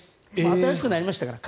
新しくなりましたから。